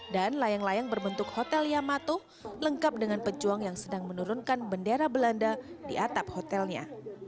dan layang layang berbentuk hotel yamato lengkap dengan pejuang yang sedang menurunkan bendera belanda di atap hotelnya